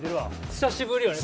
久しぶりよね